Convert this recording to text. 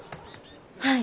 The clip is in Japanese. はい。